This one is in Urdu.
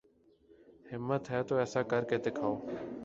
ہمت ہے تو ایسا کر کے دکھاؤ